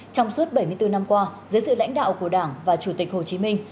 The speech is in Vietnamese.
trong suốt bảy mươi bốn năm qua dưới sự lãnh đạo của đảng và chủ tịch hồ chí minh